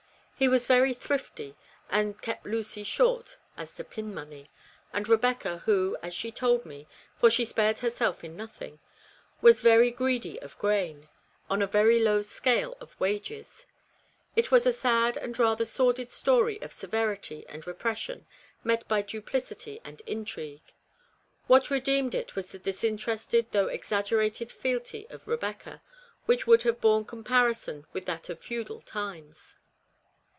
He was very thrifty, and kept Lucy u short " as to pin money, and Rebecca, who, as she told me (for she spared herself in nothing), " was very greedy of gain," on a very low scale of wages. It was a sad and rather sordid story of severity and repression met by duplicity and intrigue. What redeemed it was the disinterested though exaggerated fealty of Rebecca, which would have borne comparison with that of feudal times.